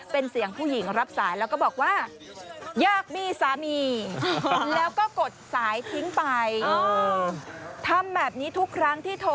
เป็นเสียงผู้หญิงรับสายแล้วก็บอกว่า